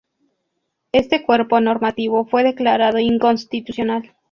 Este cuerpo normativo fue declarado inconstitucional.